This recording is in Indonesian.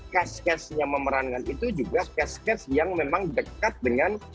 cast cast yang memerankan itu juga cast cast yang memang dekat dengan